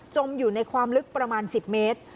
อยู่ในความลึกประมาณ๑๐เมตร